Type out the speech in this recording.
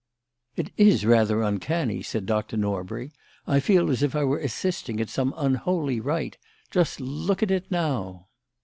"It is rather uncanny," said Dr. Norbury. "I feel as if I were assisting at some unholy rite. Just look at it now!"